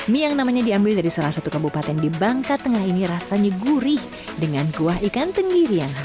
mie yang namanya diambil dari salah satu kabupaten di bangka tengah ini rasanya gurih dengan kuah ikan tenggirian